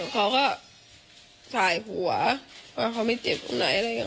เขาก็ถ่ายหัวว่าเขามีเจ็บอยู่ไหนอะไรอย่างนั้น